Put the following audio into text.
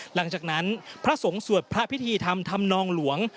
หลังจากนั้นพระสงฆ์สวดพระพิธีธรรมทำนองหลวง